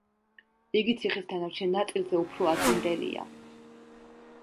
იგი ციხის დანარჩენ ნაწილზე უფრო ადრინდელია.